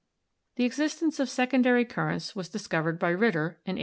The existence of secondary currents was discovered by Ritter in 1803.